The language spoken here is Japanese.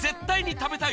食べたい！